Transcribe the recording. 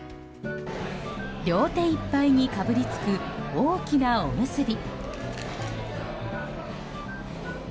両手いっぱいにかぶりつく大きなおむすび。